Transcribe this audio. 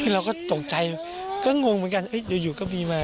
เราก็ตกใจก็งงเหมือนกันอยู่ก็มีมา